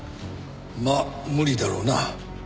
まあ無理だろうな。